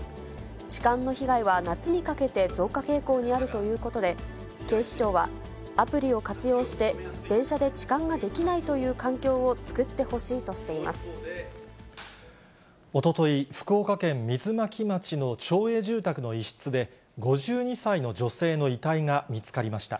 痴漢の被害は、夏にかけて増加傾向にあるということで、警視庁は、アプリを活用して電車で痴漢ができないという環境を作ってほしいおととい、福岡県水巻町の町営住宅の一室で、５２歳の女性の遺体が見つかりました。